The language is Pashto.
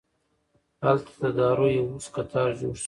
هلته د دارو یو اوږد قطار جوړ شو.